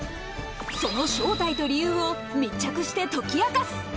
その正体と理由を密着して解き明かす。